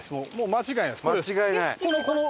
間違いない。